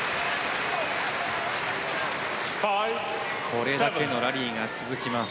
これだけのラリーが続きます。